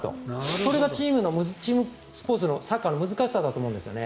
それがチームスポーツの、サッカーの難しさだと思うんですよね。